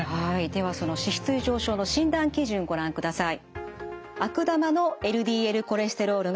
ではその脂質異常症の診断基準ご覧ください。